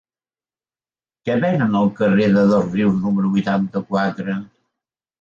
Què venen al carrer de Dosrius número vuitanta-quatre?